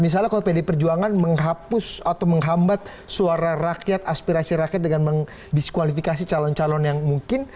misalnya kalau pd perjuangan menghapus atau menghambat suara rakyat aspirasi rakyat dengan mendiskualifikasi calon calon yang mungkin